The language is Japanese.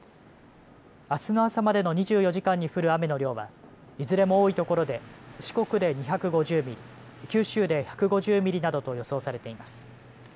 あすの朝までの２４時間に降る雨の量はいずれも多いところで四国で２５０ミリ、九州で１５０ミリなどと予想されています。